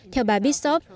theo bà bishop